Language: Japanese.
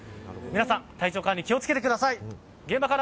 皆さん、体調管理気を付けてください。